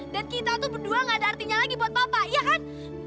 dan kita tuh berdua gak ada artinya lagi buat papa iya kan